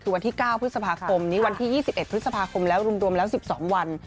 คือวันที่๙พฤษภาคมนี้วันที่๒๑พฤษภาคมแล้วรวมแล้ว๑๒วัน